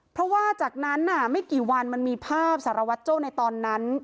เพราะว่าจากนั้นไม่กี่วันมันมีภาพสารวัตรโจ้ในตอนนั้น